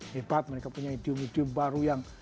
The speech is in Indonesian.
hebat mereka punya idiom idiom baru yang